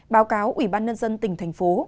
báo cáo ủy ban nhân dân tỉnh thành phố